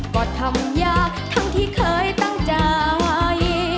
ก็ทำยากทั้งที่เคยตั้งใจไว้